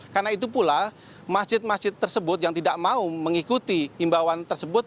karena itu pula masjid masjid tersebut yang tidak mau mengikuti imbauan tersebut